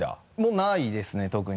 ないですね特に。